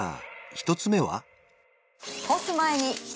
１つ目は？